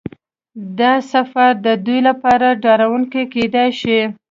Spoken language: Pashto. دا سفر د دوی لپاره ډارونکی کیدای شي